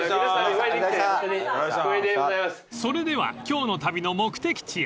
［それでは今日の旅の目的地へ］